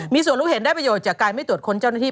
มีส่วนรู้เห็นได้ประโยชน์จากการไม่ตรวจค้นเจ้าหน้าที่